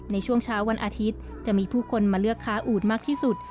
ในช่วงเช้าวันอาทิตย์จะมีผู้คนมาเลือกค้าอูดมากที่สุด